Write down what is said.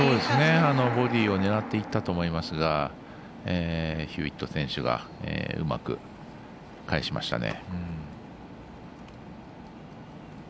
ボディーを狙っていったと思いますがヒューウェット選手がうまく返しましたね。